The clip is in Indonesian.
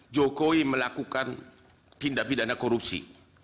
jokowi melakukan tindak pidana korupsi